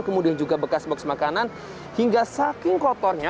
kemudian juga bekas box makanan hingga saking kotornya